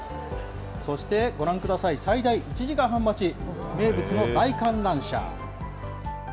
そして、ご覧ください、最大１時間半待ち、名物の大観覧車。